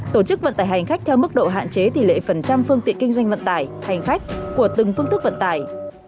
tổ chức vận tải hành khách theo mức độ hạn chế tỷ lệ phần trăm phương tiện kinh doanh vận tải hành khách của từng phương thức vận tải